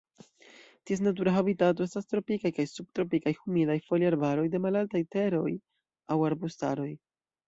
Ties natura habitato estas tropikaj kaj subtropikaj humidaj foliarbaroj de malaltaj teroj aŭ arbustaroj.